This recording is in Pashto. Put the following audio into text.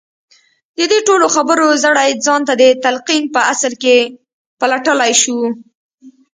د دې ټولو خبرو زړی ځان ته د تلقين په اصل کې پلټلای شو.